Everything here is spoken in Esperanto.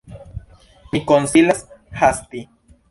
Mi konsilas hasti.